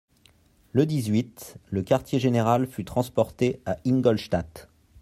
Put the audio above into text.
Le dix-huit, le quartier-général fut transporté à Ingolstadt.